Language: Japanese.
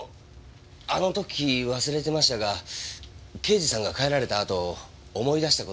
あの時忘れてましたが刑事さんが帰られたあと思い出した事がありまして。